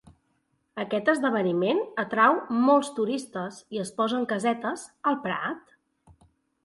Aquest esdeveniment atrau molts turistes i es posen casetes al prat.